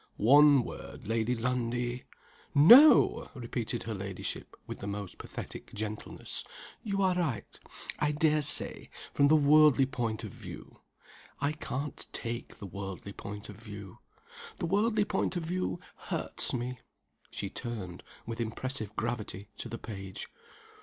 "One word, Lady Lundie " "No!" repeated her ladyship, with the most pathetic gentleness. "You are right, I dare say, from the worldly point of view. I can't take the worldly point of view. The worldly point of view hurts me." She turned, with impressive gravity, to the page.